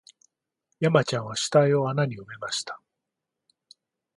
山ちゃんは死体を穴に埋めました